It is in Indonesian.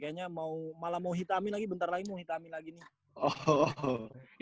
kayaknya mau malah mau hitamin lagi bentar lagi mau hitamin lagi nih